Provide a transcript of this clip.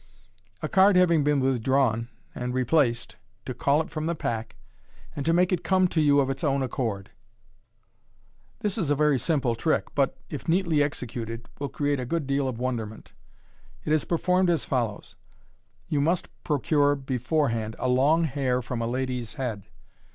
A Card having been withdrawn and replaced, to call it from the Pack., and to make it comb to tou op its own accord. — This is a very simple trick, but, if neatly executed, will create a good deal of wonderment. It is performed as follows :— You must procure beforehand a long hair from a lady's head.